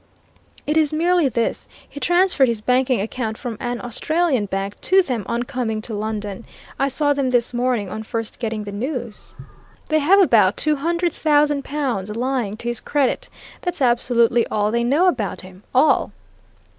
It is merely this: he transferred his banking account from an Australian bank to them on coming to London. I saw them this morning on first getting the news. They have about two hundred thousand pounds lying to his credit. That's absolutely all they know about him all!"